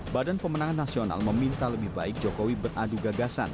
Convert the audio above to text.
badan pemenangan nasional meminta lebih baik jokowi beradu gagasan